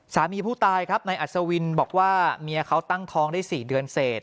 สามีผู้ตายครับนายอัศวินบอกว่าเมียเขาตั้งท้องได้๔เดือนเสร็จ